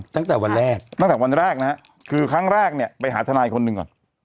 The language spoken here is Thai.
ตั้งแต่วันแรกตั้งแต่วันแรกนะฮะคือครั้งแรกเนี่ยไปหาทนายคนหนึ่งก่อน